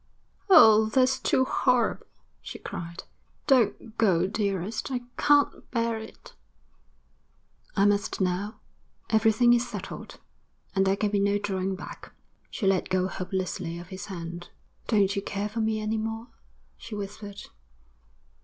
'Oh, that's too horrible,' she cried. 'Don't go, dearest; I can't bear it.' 'I must now. Everything is settled, and there can be no drawing back.' She let go hopelessly of his hand. 'Don't you care for me any more?' she whispered.